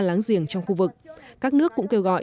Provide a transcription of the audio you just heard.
láng giềng trong khu vực các nước cũng kêu gọi